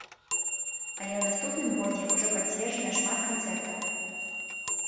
Але ў наступным годзе ўжо пацверджана шмат канцэртаў.